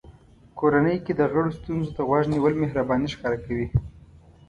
کورنۍ کې د غړو ستونزو ته غوږ نیول مهرباني ښکاره کوي.